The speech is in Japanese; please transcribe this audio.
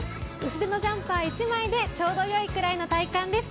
薄手のジャンパー１枚でちょうどよいくらいの体感です。